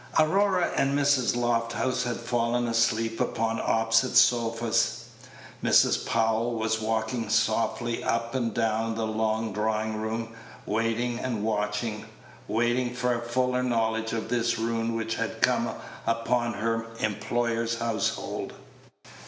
Aurora and Mrs. Lofthouse had fallen asleep upon opposite sofas; Mrs. Powell was walking softly up and down the long drawing room, waiting and watching waiting for a fuller knowledge of this ruin which had come upon her employer's household.